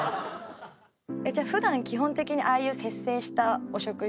じゃあ普段基本的にああいう節制したお食事？